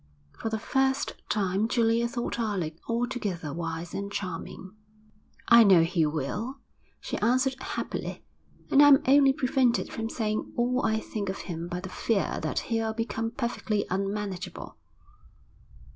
For the first time Julia thought Alec altogether wise and charming. 'I know he will,' she answered happily. 'And I'm only prevented from saying all I think of him by the fear that he'll become perfectly unmanageable.'